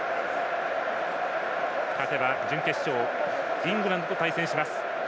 勝てば準決勝イングランドと対戦します。